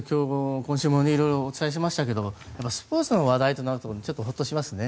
今週も色々お伝えしましたがスポーツの話題となるとちょっとホッとしますね。